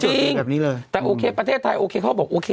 จริงแบบนี้เลยแต่โอเคประเทศไทยโอเคเขาบอกโอเค